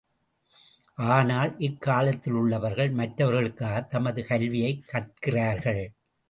ஆனால், இக்காலத்திலுள்ளவர்கள் மற்றவர்களுக்காக தமது கல்வியைக் கற்கிறார்கள்!